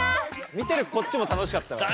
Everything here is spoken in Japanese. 見てるこっちも楽しかったよね。